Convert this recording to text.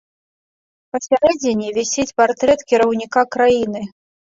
Пасярэдзіне вісіць партрэт кіраўніка краіны.